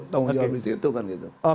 tunggu tunggu habis itu kan gitu